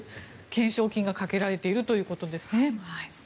懸賞金がかけられているということですね。